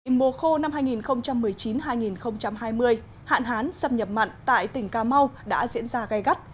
mùa khô năm hai nghìn một mươi chín hai nghìn hai mươi hạn hán xâm nhập mặn tại tỉnh cà mau đã diễn ra gai gắt